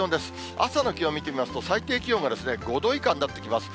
朝の気温見てみますと、最低気温が５度以下になってきます。